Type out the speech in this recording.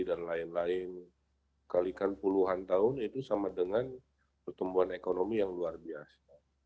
dan lain lain kalikan puluhan tahun itu sama dengan pertumbuhan ekonomi yang luar biasa